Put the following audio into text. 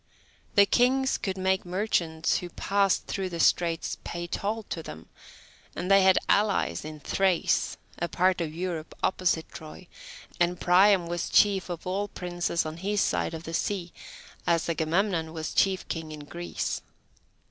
The kings could make merchants who passed through the straits pay toll to them, and they had allies in Thrace, a part of Europe opposite Troy, and Priam was chief of all princes on his side of the sea, as Agamemnon was chief king in Greece.